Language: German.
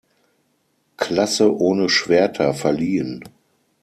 Klasse ohne Schwerter verliehen.